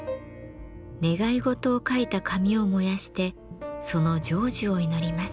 願い事を書いた紙を燃やしてその成就を祈ります。